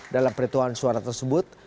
dalam perituan suara tersebut